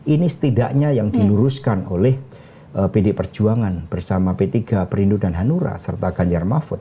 ini setidaknya yang diluruskan oleh pd perjuangan bersama p tiga perindu dan hanura serta ganjar mahfud